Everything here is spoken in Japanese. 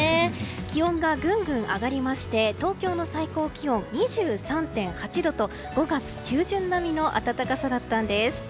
気温がぐんぐん上がりまして東京の最高気温２３．８度と５月中旬並みの暖かさだったんです。